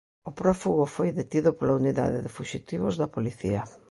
O prófugo foi detido pola Unidade de Fuxitivos da Policía.